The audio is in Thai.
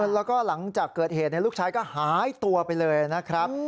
แล้วก็หลังจากเกิดเหตุลูกชายก็หายตัวไปเลยนะครับ